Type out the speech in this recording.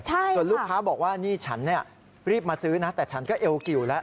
ส่วนลูกค้าบอกว่านี่ฉันเนี่ยรีบมาซื้อนะแต่ฉันก็เอวกิวแล้ว